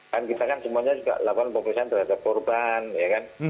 kan kita kan semuanya juga lakukan pemeriksaan terhadap korban ya kan